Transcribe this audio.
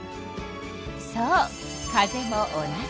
そう風も同じ。